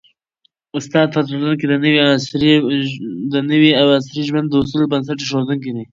استاد په ټولنه کي د نوي او عصري ژوند د اصولو بنسټ ایښودونکی دی.